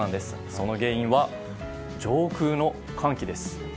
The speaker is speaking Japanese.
その原因は上空の寒気です。